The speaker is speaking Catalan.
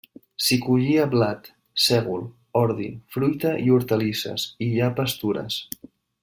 S'hi collia blat, sègol, ordi, fruita i hortalisses, i hi ha pastures.